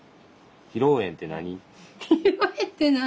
披露宴って何？